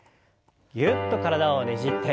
ぎゅっと体をねじって。